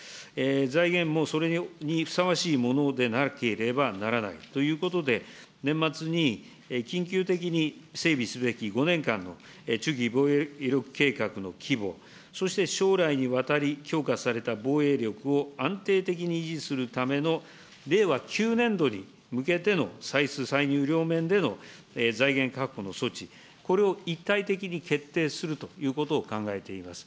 財源もそれにふさわしいものでなければならないということで、年末に緊急的に整備すべき５年間の中期防衛力計画の規模、そして将来にわたり強化された防衛力を安定的に維持するための令和９年度に向けての歳出歳入両面での財源確保の措置、これを一体的に決定するということを考えています。